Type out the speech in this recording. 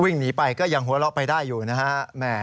วิ่งหนีไปก็ยังหัวเราะไปได้อยู่นะฮะ